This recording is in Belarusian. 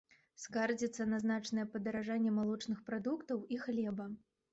Скардзіцца на значнае падаражанне малочных прадуктаў і хлеба.